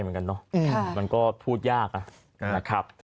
เหมือนกันเนาะมันก็พูดยากนะครับ